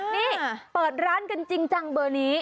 นี่เปิดร้านกันจริงจังเบอร์นี้